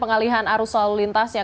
pengalihan arus lalu lintasnya